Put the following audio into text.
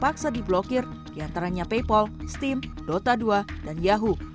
terpaksa diblokir diantaranya paypal steam dota dua dan yahoo